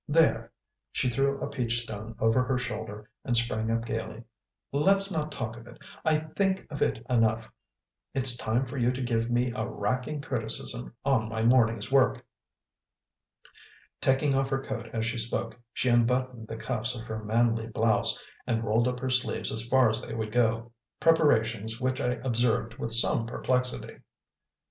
There!" She threw a peach stone over her shoulder and sprang up gaily. "Let's not talk of it; I THINK of it enough! It's time for you to give me a RACKING criticism on my morning's work." Taking off her coat as she spoke, she unbuttoned the cuffs of her manly blouse and rolled up her sleeves as far as they would go, preparations which I observed with some perplexity.